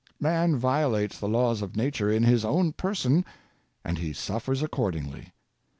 Man violates the laws of nature in his own person, and he suffers accordingly.